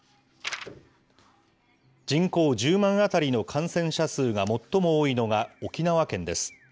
人口１０万当たりの感染者数が最も多いのが、沖縄県です。